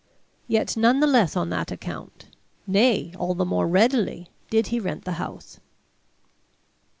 Yet none the less on that account, nay, all the more readily, did he rent the house.